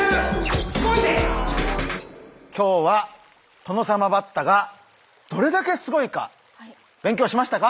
今日はトノサマバッタがどれだけすごいか勉強しましたか？